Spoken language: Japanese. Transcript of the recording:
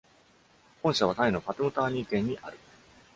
本社はタイのパトゥムターニー県にある。